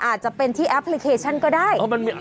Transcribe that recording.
อาจจะเป็นที่แอปพลิเคชันก็ได้